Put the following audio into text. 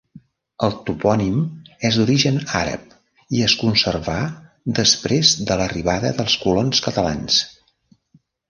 El topònim és d'origen àrab i es conservà després de l'arribada dels colons catalans.